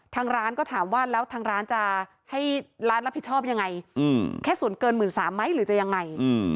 ทางร้านก็ถามว่าแล้วทางร้านจะให้ร้านรับผิดชอบยังไงแค่ส่วนเกิน๑๓๐๐ไหมหรือจะยังไง